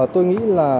tôi nghĩ là